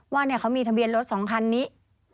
ว่าเนี่ยเค้ามีทะเบียนรถ๒คันนี้